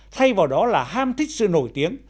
thay vào đó là ham thích sự nổi tiếng